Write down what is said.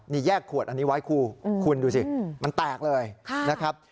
นี่แยกขวดอันนี้ไว้คู่คุณดูสิมันแตกเลยนะครับ